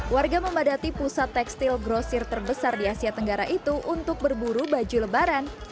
warga memadati pusat tekstil grosir terbesar di asia tenggara itu untuk berburu baju lebaran